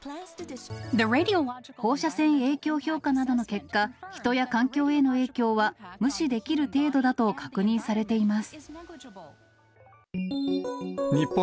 放射線影響評価などの結果、人や環境への影響は無視できる程度だと確認されています。